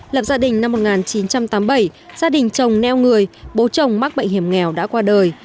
lập gia đình năm một nghìn chín trăm tám mươi bảy gia đình chồng neo người bố chồng mắc bệnh hiểm nghèo đã qua đời